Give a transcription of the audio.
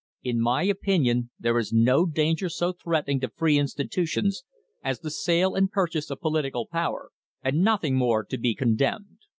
In my opinion there is no danger so threatening to free institutions as the sale and purchase of political power, and nothing more to be condemned.'